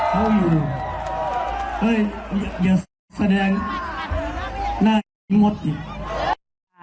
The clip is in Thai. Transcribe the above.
สวัสดีค่ะ